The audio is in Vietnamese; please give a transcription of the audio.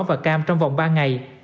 và cam trong vòng ba ngày